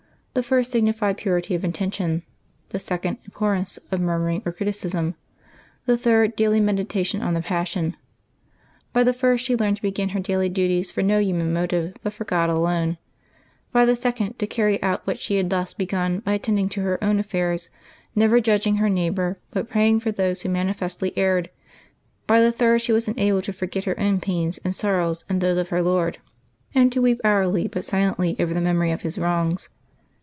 The first signified purity of intention; the second, abhorrence of murmuring or criticism; the third, daily meditation on the Passion. By the first she learned to begin her daily duties for no human motive, but for God alone; by the second, to carry out what she had thus begun by attending to her own affairs, never judging her neighbor, but praying for those who manifestly erred; by the third she was enabled to forget her own pains and sor rows in those of her Lord, and to weep hourly, but silently, over the memory of His wrongs.